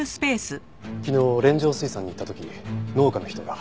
昨日連城水産に行った時農家の人が。